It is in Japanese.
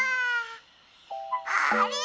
あれ？